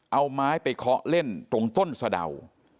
เอาไม้ไปเคาะเล่นตรงต้นสะเดา